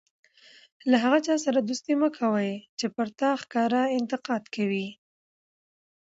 له هغه چا سره دوستي مه کوئ! چي پر تا ښکاره انتقاد کوي.